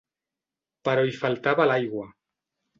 Però hi faltava l'aigua.